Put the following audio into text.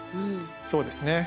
そうですね。